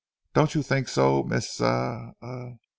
Don't you think so, Miss—er—er.